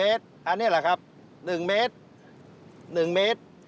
๑เมตรอันนี้แหละครับ๑เมตร